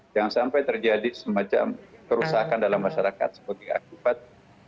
jangan sampai terjadi semacam kerusakan dalam masyarakat sebagai akibat